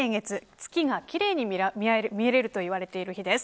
月が奇麗に見られるといわれている日です。